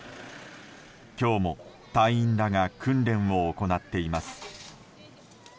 今日も隊員らが訓練を行っています。